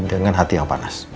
dengan hati yang panas